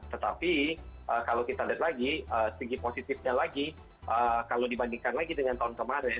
tetapi kalau kita lihat lagi segi positifnya lagi kalau dibandingkan lagi dengan tahun kemarin